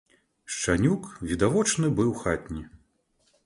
Шчанюк відавочна быў хатні.